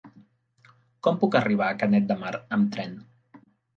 Com puc arribar a Canet de Mar amb tren?